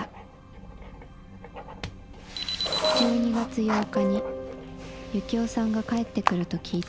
１２月８日に行男さんが帰ってくると聞いた」。